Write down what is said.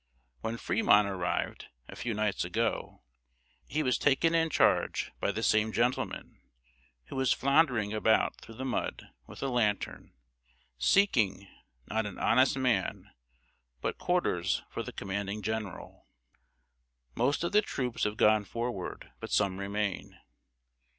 When Fremont arrived, a few nights ago, he was taken in charge by the same gentleman, who was floundering about through the mud with a lantern, seeking, not an honest man, but quarters for the commanding general. Most of the troops have gone forward, but some remain.